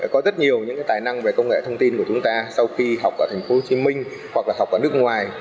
có rất nhiều những tài năng về công nghệ thông tin của chúng ta sau khi học ở tp hcm hoặc là học ở nước ngoài